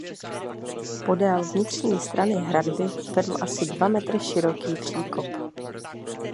Podél vnitřní strany hradby vedl asi dva metry široký příkop.